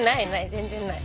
全然ない。